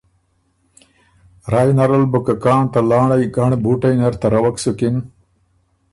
رای نر ال بُو که کان ته لانړئ ګنړ بُوټئ نر تروک سُکِن